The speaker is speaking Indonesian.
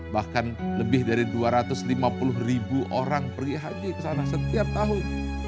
bahkan lebih dari dua ratus lima puluh ribu orang pergi haji ke sana setiap tahun